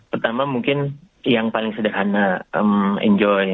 pertama mungkin yang paling sederhana enjoy